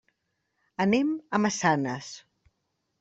Anem a Massanes.